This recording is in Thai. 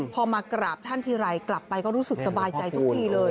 พอมากราบท่านทีไรกลับไปก็รู้สึกสบายใจทุกทีเลย